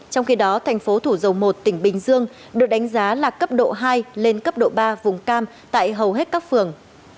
trong khi đó thành phố thủ dầu một tỉnh bình dương được đánh giá là cấp độ hai lên cấp độ ba vùng cam tại hầu hết các phường